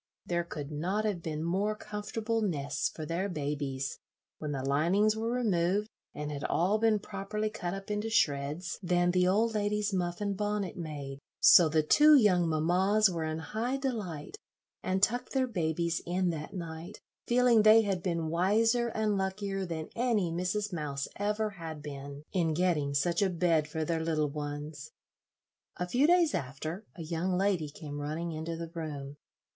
There could not have been more comfortable nests for their babies, when the linings were removed and had all been properly cut up into shreds, than the old lady's muff and bonnet made; so the two young mammas were in high delight, and tucked their babies in that night, feeling they had been wiser and luckier than any Mrs. Mouse ever had been in getting such a bed for their little ones. A few days after a young lady came running into the room.